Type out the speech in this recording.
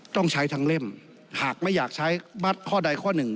ต้องใช้ทั้งเล่มหากไม่อยากใช้มัดข้อใดข้อหนึ่ง